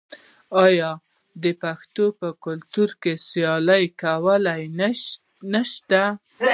آیا د پښتنو په کلتور کې سیالي کول نشته؟